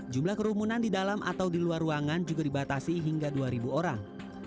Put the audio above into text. jumlah kerumunan di dalam atau di luar ruangan juga dibatasi hingga dua orang